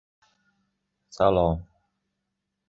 — Shu bilan bo‘ldimi?